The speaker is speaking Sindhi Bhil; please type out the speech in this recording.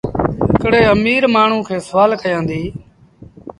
هڪڙي اميٚر مآڻهوٚٚݩ کي سوآل ڪيآݩديٚ